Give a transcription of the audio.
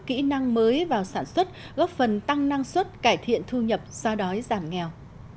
kỹ năng mới vào sản xuất góp phần tăng năng suất cải thiện thu nhập do đói giảm nghèo